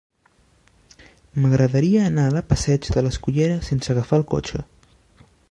M'agradaria anar a la passeig de l'Escullera sense agafar el cotxe.